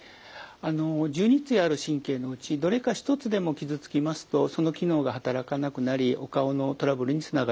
あの１２対ある神経のうちどれか１つでも傷つきますとその機能が働かなくなりお顔のトラブルにつながります。